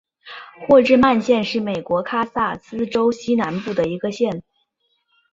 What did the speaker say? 霍治曼县是美国堪萨斯州西南部的一个县。